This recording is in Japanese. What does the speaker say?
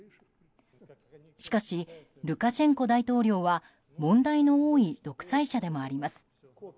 しかし、ルカシェンコ大統領は問題の多い独裁者でもあります。